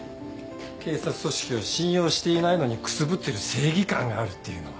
警察組織を信用していないのにくすぶってる正義感があるっていうのは。